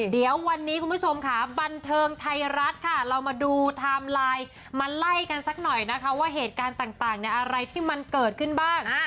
เดี๋ยววันนี้คุณผู้ชมค่ะบันเทิงไทยรัฐค่ะเรามาดูไทม์ไลน์มาไล่กันสักหน่อยนะคะว่าเหตุการณ์ต่างอะไรที่มันเกิดขึ้นบ้าง